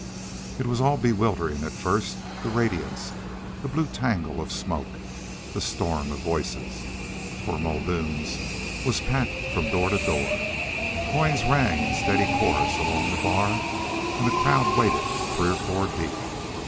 It was all bewildering at first; the radiance, the blue tangle of smoke, the storm of voices. For Muldoon's was packed from door to door. Coins rang in a steady chorus along the bar, and the crowd waited three and four deep.